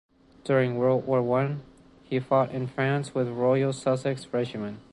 During World War One he fought in France with the Royal Sussex Regiment.